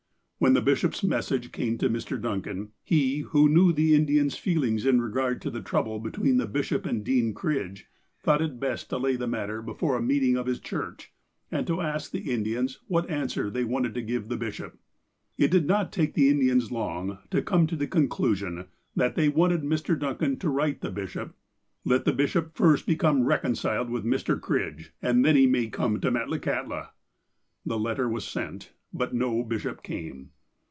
When the bishop's message came to Mr. Duncan, he, who knew of the Indians' feelings in regard to the trouble between the bisho]3 and Dean Cridge, thought it best to lay the matter before a meeting of his church, and to ask the Indians what answer they wanted him to give the bishop. It did not take the Indians long to come to the con clusion that they wanted Mr. Duncan to write the bishop ; "Let the bishop first become reconciled with Mr. Cridge, and then he may come to Metlakahtla." The letter was sent, but no bishop came.